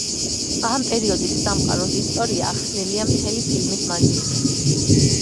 ამ პერიოდის სამყაროს ისტორია ახსნილია მთელი ფილმის მანძილზე.